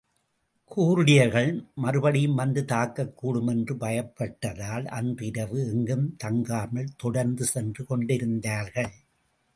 கூர்டியர்கள் மறுபடியும் வந்து தாக்கக்கூடும் என்று பயப்பட்டதால், அன்று இரவு எங்கும் தங்காமல், தொடர்ந்து சென்று கொண்டிருந்தார்கள்.